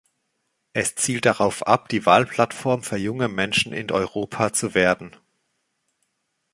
Es zielt darauf ab, die Wahlplattform für junge Menschen in Europa zu werden.